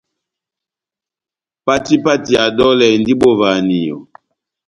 Pati pati ya dolɛ endi bovahaniyo.